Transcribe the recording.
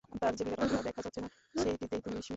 তার যে বিরাট অংশটা দেখা যাচ্ছে না, সেইটেতেই তুমি বিস্মিত।